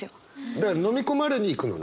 だから飲み込まれに行くのね。